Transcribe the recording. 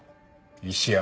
石山。